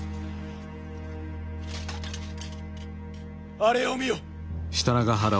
あれを見よ。